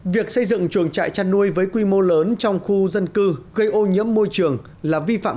việc xây dựng chuồng trại chăn nuôi với quy mô lớn trong khu dân cư gây ô nhiễm môi trường là vi phạm